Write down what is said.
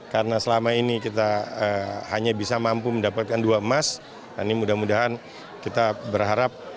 karena selama ini kita hanya bisa mampu mendapatkan dua emas nanti mudah mudahan kita berharap